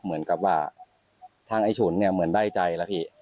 เหมือนกับว่าทางไอ้ฉุนเนี่ยเหมือนได้ใจแล้วพี่